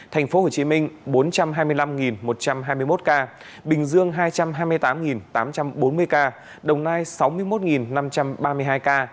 thành phố hồ chí minh bốn trăm hai mươi năm một trăm hai mươi một ca bình dương hai trăm hai mươi tám tám trăm bốn mươi ca đồng nai sáu mươi một năm trăm ba mươi hai ca